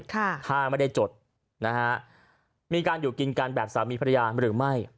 ถ้าไม่ได้จดนะฮะมีการอยู่กินกันแบบสามีภรรยาหรือไม่